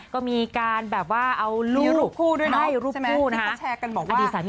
ก็มีการแบบว่าเอาลูกให้ลูกผู้นะฮะอดีตสามีพี่นางมีรูปผู้ด้วยเนอะที่ก็แชร์กันบอกว่า